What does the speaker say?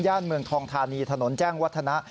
เมืองทองธานีถนนแจ้งวัฒนะ